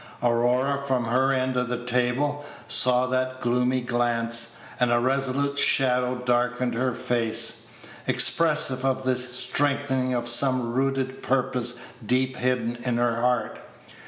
Aurora, from her end of the table, saw that gloomy glance, and a resolute shadow darkened her face, expressive of the strengthening of some rooted purpose deep hidden in her heart.